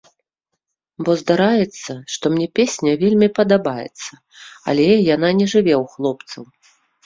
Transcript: Бо здараецца, што мне песня вельмі падабаецца, але яна не жыве ў хлопцаў!